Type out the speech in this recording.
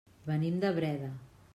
Venim de Breda.